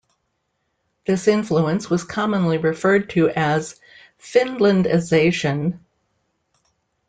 This influence was commonly referred to as Finlandisation.